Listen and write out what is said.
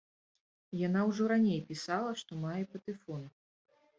Яна ўжо раней пісала, што мае патэфон.